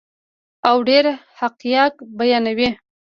او ډیر حقایق بیانوي.